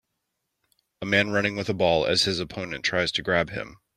A man running with a ball as his opponent tries to grab him.